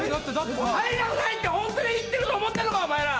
「入りたくない」って本気で言ってると思ってるのかお前ら！